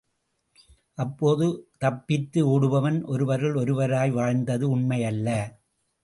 அப்போது தப்பித்து ஓடுபவன் ஒருவருள் ஒருவராய் வாழ்ந்தது உண்மையல்ல.